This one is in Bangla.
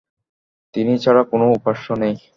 তিনি ছাড়া কোন উপাস্য নেই।